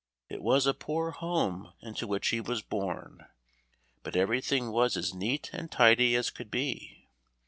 It was a poor home into which he was borne, but everything was as neat and tidy as could be.